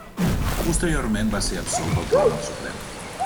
Posteriorment va ser absolt pel tribunal Suprem.